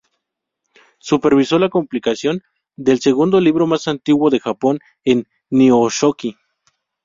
Supervisó la compilación del segundo libro más antiguo de Japón, el Nihonshoki.